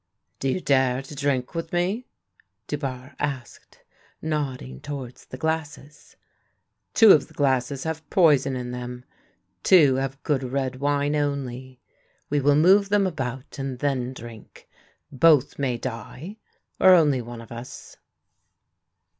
" Do you dare to drink with me? " Dubarre asked, nodding towards the glasses, " Two of the glasses have poison in them, two have good red wine only. We will move them about and then drink. Both may die, or only one of us."